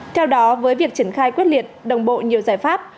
theo đó với việc triển khai quyết liệt đồng bộ nhiều giải pháp